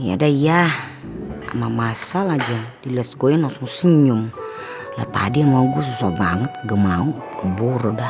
hai ya udah ya sama masa laju di les goyang langsung senyum letak dia mau gue susah banget gak mau keburu dah